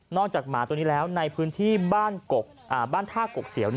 หมาตัวนี้แล้วในพื้นที่บ้านท่ากกเสียว